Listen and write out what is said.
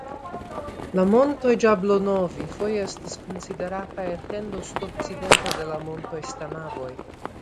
La montoj Ĝablonovi foje estas konsiderataj etendo sudokcidenta de la montoj Stanavoj.